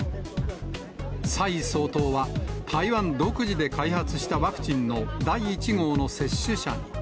蔡総統は台湾独自で開発したワクチンの第１号の接種者に。